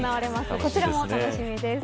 こちらも楽しみです。